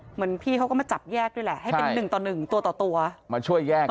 เหมือนพี่เขาก็มาจับแยกด้วยแหละให้เป็น๑ต่อ๑ตัวมาช่วยแยกด้วย